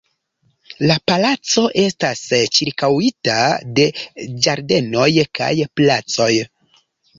La palaco estas ĉirkaŭita de ĝardenoj kaj placoj.